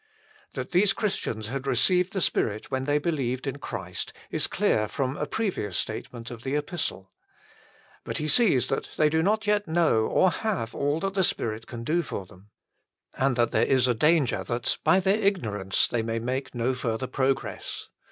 That these Christians had received the Spirit when they believed in Christ is clear from a previous statement of the Epistle. 1 1 Of. chap. i. ver. 14. But he sees that they do not yet know or have all that the Spirit can do for them, and that there is a danger that, by their ignorance, they may make no further progress.